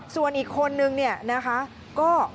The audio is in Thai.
ส่วนอีกคนนึงเนี่ยนะคะก็